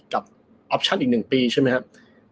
กับออปชั่นอีก๑ปีใช่ไหมครับ